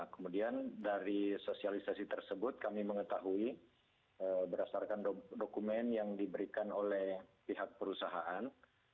kemudian dari sosialisasi tersebut kami mengetahui berdasarkan dokumen yang diberikan oleh pihak perusahaan